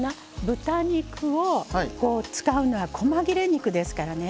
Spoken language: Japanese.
豚肉を使うのはこま切れ肉ですからね